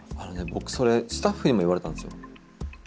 僕それスタッフにも言われたんですよ。